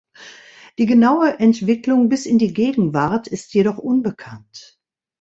Die genaue Entwicklung bis in die Gegenwart ist jedoch unbekannt.